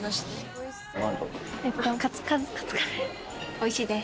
おいしいです。